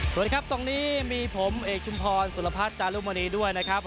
สวัสดีครับตรงนี้มีผมเอกชุมพรสุรพัฒน์จารุมณีด้วยนะครับ